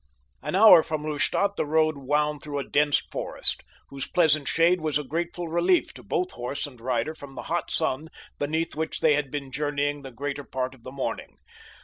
An hour from Lustadt the road wound through a dense forest, whose pleasant shade was a grateful relief to both horse and rider from the hot sun beneath which they had been journeying the greater part of the morning.